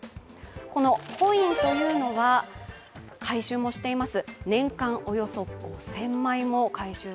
このコインというのは回収もしています。